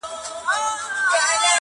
د کراري مو شېبې نه دي لیدلي٫